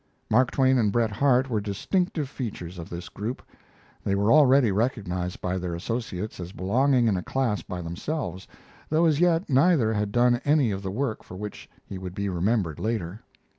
Mark Twain and Bret Harte were distinctive features of this group. They were already recognized by their associates as belonging in a class by themselves, though as yet neither had done any of the work for which he would be remembered later.